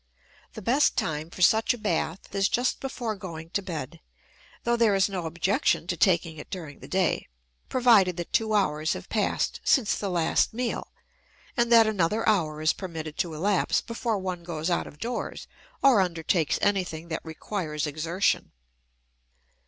The best time for such a bath is just before going to bed, though there is no objection to taking it during the day, provided that two hours have passed since the last meal, and that another hour is permitted to elapse before one goes out of doors or undertakes anything that requires exertion.